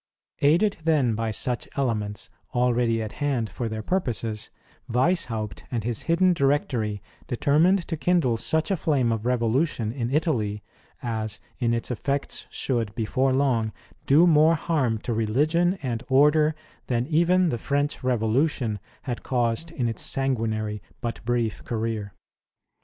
Aided then by such elements, already at hand for their purposes, Wieshaupt and his hidden Directory determined to kindle such a flame of Eevolution in Italy, as in its effects should, before long, do more harm to religion and order, than even the French Revolution had caused in its sanguinary but brief career.